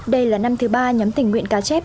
đây là năm thứ ba nhóm tình nguyện cá chép